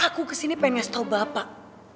aku kesini pengen ngasih tau bapak